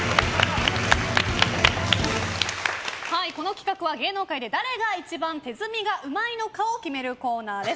この企画は芸能界で誰が一番手積みがうまいのかを決めるコーナーです。